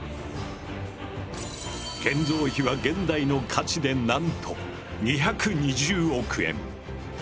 建造費は現代の価値でなんと２２０億円。